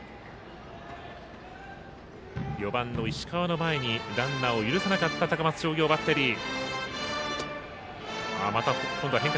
４番の石川の前にランナーを許さなかった高松商業バッテリー。